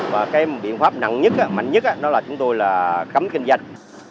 và cái biện pháp nặng nhất mạnh nhất đó là chúng tôi là cấm kinh doanh